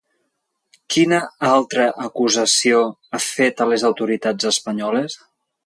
Quina altra acusació ha fet a les autoritats espanyoles?